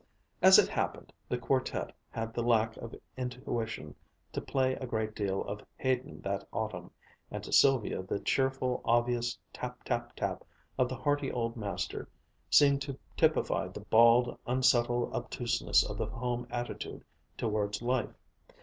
As it happened, the quartet had the lack of intuition to play a great deal of Haydn that autumn, and to Sylvia the cheerful, obvious tap tap tap of the hearty old master seemed to typify the bald, unsubtle obtuseness of the home attitude towards life.